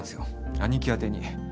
兄貴宛てに。